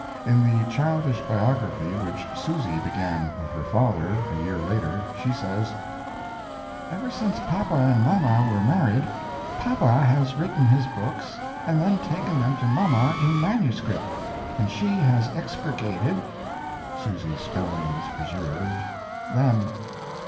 In the childish biography which Susy began of her father, a year later, she says: Ever since papa and mama were married papa has written his books and then taken them to mama in manuscript, and she has expurgated [Susy's spelling is preserved] them.